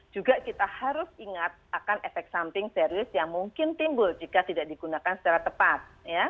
juga kita harus ingat akan efek samping serius yang mungkin timbul jika tidak digunakan secara tepat